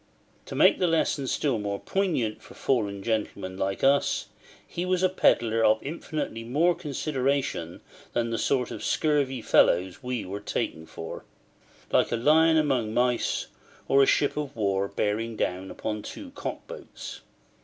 To make the lesson still more poignant for fallen gentlemen like us, he was a pedlar of infinitely more consideration than the sort of scurvy fellows we were taken for: like a lion among mice, or a ship of war bearing down upon two cock boats.